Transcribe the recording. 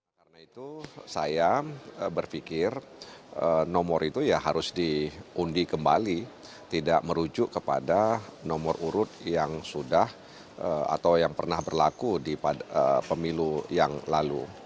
karena itu saya berpikir nomor itu ya harus diundi kembali tidak merujuk kepada nomor urut yang sudah atau yang pernah berlaku di pemilu yang lalu